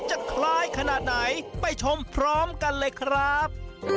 จะคล้ายขนาดไหนไปชมพร้อมกันเลยครับ